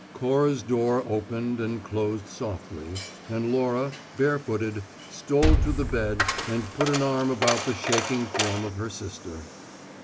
'" Cora's door opened and closed softly, and Laura, barefooted, stole to the bed and put an arm about the shaking form of her sister.